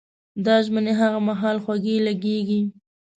دا ژمنې هغه مهال خوږې لګېږي.